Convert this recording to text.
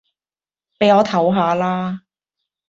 俾我唞吓啦